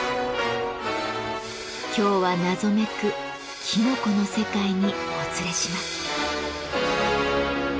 今日は謎めくきのこの世界にお連れします。